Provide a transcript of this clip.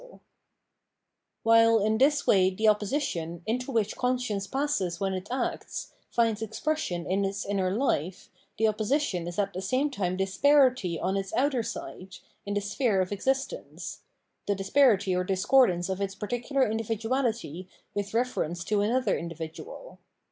While in this way the opposition, into which con science passes when it acts, finds expression in its inner life, the opposition is at the same time disparity on its outer side, in the sphere of existence — the disparity 670 Phenomenology of Mind or discordance of its particular individuality with reference to another individual.